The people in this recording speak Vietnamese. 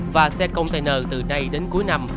và xe container từ nay đến cuối năm